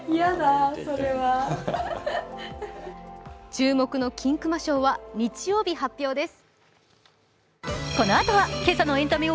注目の金熊賞は日曜日発表です。